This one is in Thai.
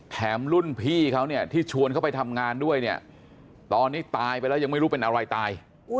แถมรุ่นพี่เขาเนี่ยที่ชวนเขาไปทำงานด้วยเนี่ยตอนนี้ตายไปแล้วยังไม่รู้เป็นอะไรตาย